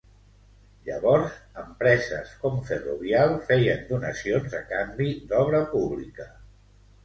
Llavors, empreses com Ferrovial feien donacions a canvi d'obra pública.